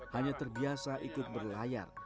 hanya terbiasa ikut berlayar